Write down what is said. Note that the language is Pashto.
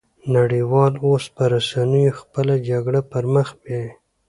نړۍ وال اوس په رسنيو خپله جګړه پرمخ بيايي